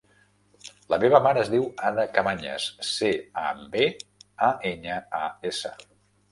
La meva mare es diu Ada Cabañas: ce, a, be, a, enya, a, essa.